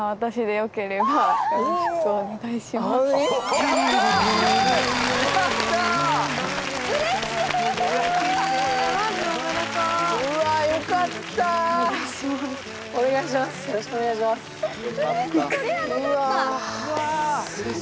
よろしくお願いしますうわ